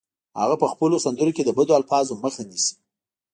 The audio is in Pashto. هغه په خپلو سندرو کې د بدو الفاظو مخه نیسي